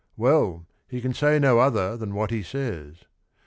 Well, he can say no other than what he says.